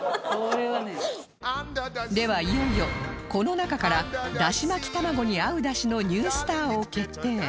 ではいよいよこの中からダシ巻き玉子に合うダシのニュースターを決定